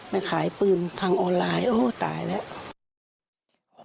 ไปขายปืนทางออนไลน์โอ้ตายแล้ว